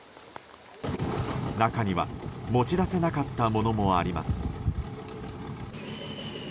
中には持ち出せなかったものもあります。